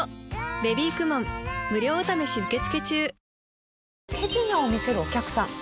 手品を見せるお客さん。